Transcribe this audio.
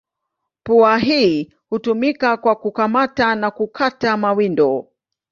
Pua hii hutumika kwa kukamata na kukata mawindo.